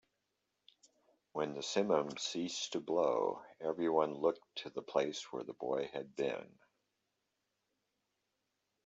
When the simum ceased to blow, everyone looked to the place where the boy had been.